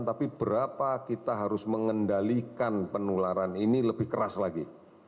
tapi berapa kita harus mengendalikan penularan ini lebih keras lagi